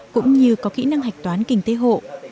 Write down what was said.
cũng như có kỹ năng hạch toán kinh tế hộ